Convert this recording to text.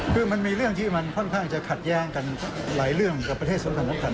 คือมันมีเรื่องที่มันค่อนข้างจะขัดแย้งกันหลายเรื่องกับประเทศสำคัญ